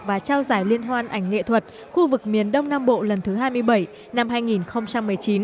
và trao giải liên hoan ảnh nghệ thuật khu vực miền đông nam bộ lần thứ hai mươi bảy năm hai nghìn một mươi chín